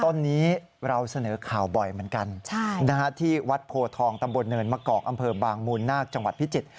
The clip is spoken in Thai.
ต้นนี้เราเสนอข่าวบ่อยเหมือนกันที่วัดโพทองตำบลเนินมะกอกอำเภอบางมูลนาคจังหวัดพิจิตร